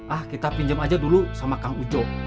ah kita pinjam aja dulu sama kang ujo